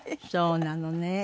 そうなのね。